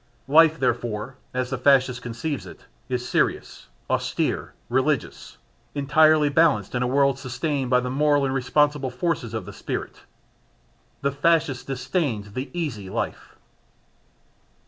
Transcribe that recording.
Life, therefore, as the Fascist conceives it, is serious, austere, religious; entirely balanced in a world sustained by the moral and responsible forces of the spirit. The Fascist disdains the "easy" life.